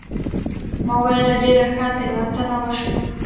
ما وویل ډېره ښه تېره شول.